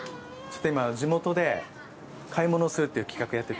今地元で買い物をするっていう企画やってて。